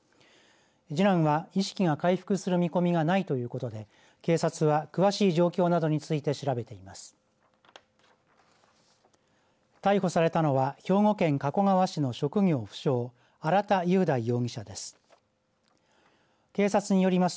次男は意識が回復する見込みがないということで警察は詳しい状況などについて調べています。